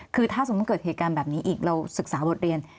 คือถ้าสมมุติเกิดเหตุการณ์แบบนี้อีกเราศึกษาบทเรียน